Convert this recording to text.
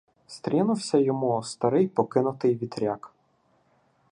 Стрінувся йому старий Покинутий вітряк.